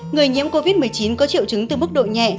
người nhiễm covid một mươi chín có triệu chứng từ mức độ nhẹ